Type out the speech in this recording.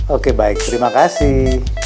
oke baik terima kasih